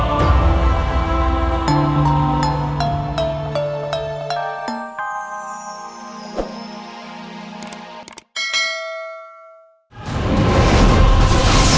tapi sejak mereka masih ada ustifra